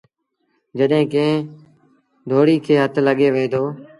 جڏهيݩ ڪݩهݩ دوڙيٚ کي هٿ لڳي وهي دو۔